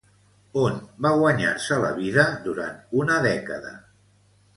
On va guanyar-se la vida durant una dècada?